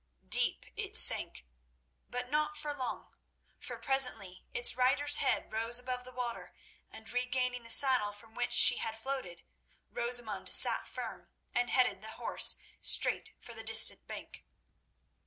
Deep it sank, but not for long, for presently its rider's head rose above the water, and regaining the saddle, from which she had floated, Rosamund sat firm and headed the horse straight for the distant bank.